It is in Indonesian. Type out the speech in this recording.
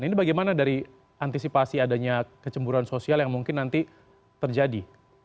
ini bagaimana dari antisipasi adanya kecemburan sosial yang mungkin nanti terjadi